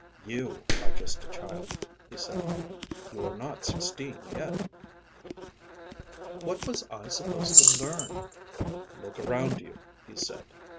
"You are just a child," he said. "You are not sixteen yet." "What was I supposed to learn?" "Look around you," he said.